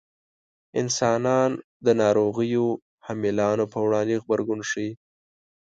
انسانان د ناروغیو حاملانو په وړاندې غبرګون ښيي.